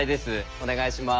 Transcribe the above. お願いします。